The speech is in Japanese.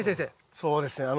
そうですね。